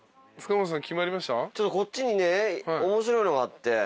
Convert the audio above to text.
こっちにね面白いのがあって。